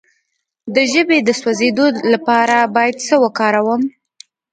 د ژبې د سوځیدو لپاره باید څه شی وکاروم؟